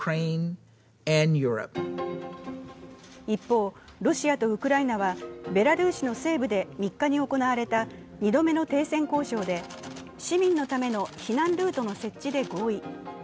一方、ロシアとウクライナはベラルーシの西部で３日に行われた２度目の停戦交渉で市民のための避難ルートの設置で合意。